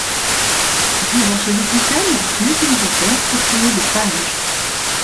Après avoir choisi son thème, l’utilisateur peut créer des pages.